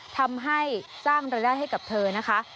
ทำให้สร้างรายได้ให้กับเธอนะคะ